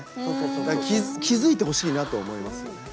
気付いてほしいなと思いますよね。